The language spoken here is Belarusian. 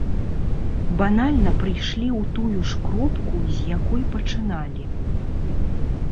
Банальна прыйшлі ў тую ж кропку, з якой пачыналі.